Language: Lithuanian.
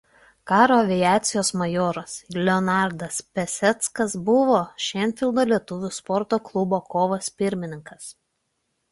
Karo aviacijos majoras Leonardas Peseckas buvo Šeinfeldo lietuvių sporto klubo „Kovas“ pirmininkas.